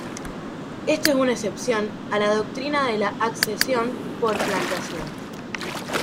Esto es una excepción a la doctrina de la accesión por plantación.